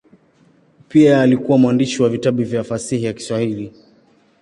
Pia alikuwa mwandishi wa vitabu vya fasihi ya Kiswahili.